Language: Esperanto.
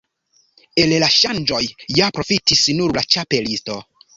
El la ŝanĝoj ja profitis nur la Ĉapelisto.